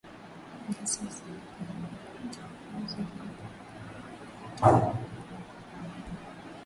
Na sasa Baba unitukuze mimi pamoja nawe kwa utukufu ule niliokuwa nao